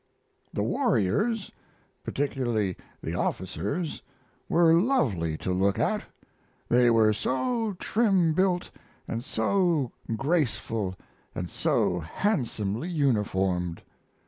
The warriors particularly the officers were lovely to look at, they were so trim built and so graceful and so handsomely uniformed.